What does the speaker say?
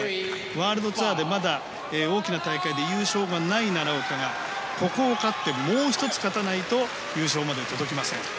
ワールドツアーのまだ大きな大会で優勝がない奈良岡がここを勝ってもう１つ勝たないと優勝まで届きません。